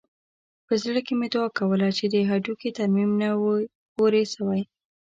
په زړه کښې مې دعا کوله چې د هډوکي ترميم نه وي پوره سوى.